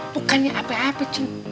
bukannya apa apa cing